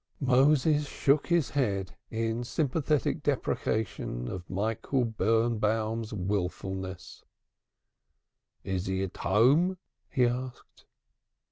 Moses shook his head in sympathetic deprecation of Michael Birnbaum's wilfulness. "Is he at home?" he asked.